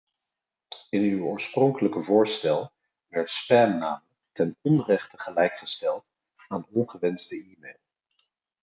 In uw oorspronkelijke voorstel werd spam namelijk ten onrechte gelijkgesteld aan ongewenste e-mail.